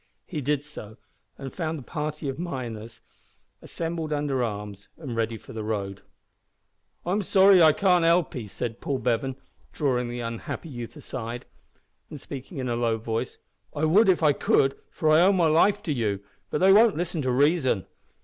He did so, and found the party of miners assembled under arms, and ready for the road. "I'm sorry I can't help 'ee," said Paul Bevan, drawing the unhappy youth aside, and speaking in a low voice. "I would if I could, for I owe my life to you, but they won't listen to reason.